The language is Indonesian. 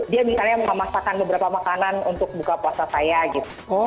dia misalnya memasakkan beberapa makanan untuk buka puasa saya gitu